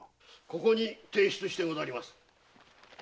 ここに提出してござりまする。